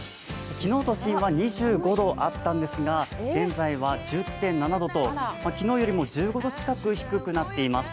昨日、都心は２５度あったんですが現在は１０．７度と昨日よりも１５度近く低くなっています。